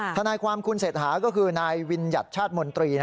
ทนายความคุณเศรษฐาก็คือนายวิญญัติชาติมนตรี